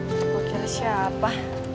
maaf gue kira siapa